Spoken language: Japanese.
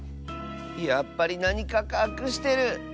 やっぱりなにかかくしてる。